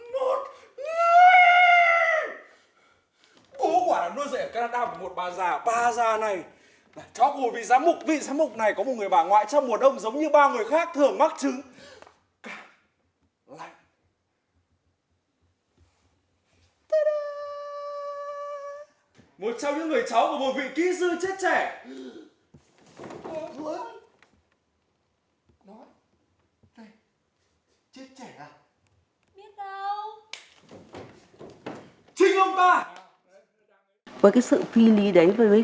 nói chung với bà ngoại trong mùa đông giống như bao người khác